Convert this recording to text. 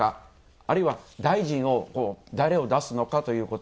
あるいは大臣を誰を出すのかということ。